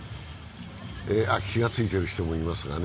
あっ、気がついている人もいますけどね。